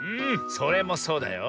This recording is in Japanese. それもそうだよ。